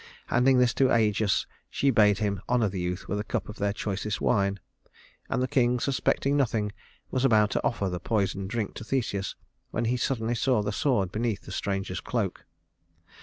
Handing this to Ægeus, she bade him honor the youth with a cup of their choicest wine; and the king, suspecting nothing, was about to offer the poisoned drink to Theseus when he suddenly saw the sword beneath the stranger's cloak.